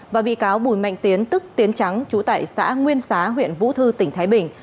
và bị cáo bùi mạnh tiến tức tiến trắng trú tại xã nguyên xá huyện vũ thư tỉnh thái bình